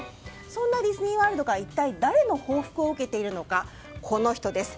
そんなディズニーワールドが一体誰の報復を受けているのかこの人です。